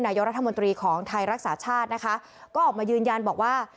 นายกรัฐมนตรีของไทยรักษาชาตินะคะก็ออกมายืนยันบอกว่า